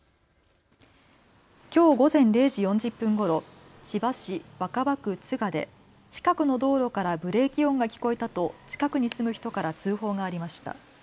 きょう午前０時４０分ごろ千葉市若葉区都賀で近くの道路からブレーキ音が聞こえたと近くに住む人から通報がありました。